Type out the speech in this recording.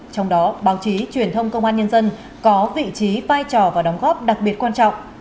trong đó báo chí truyền thông công an nhân dân có vị trí vai trò và đóng góp đặc biệt quan trọng